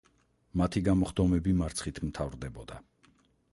მათი გამოხდომები მარცხით მთავრდებოდა.